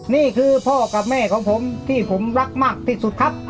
นี่คือพ่อกับแม่ของผมที่ผมรักมากที่สุดครับ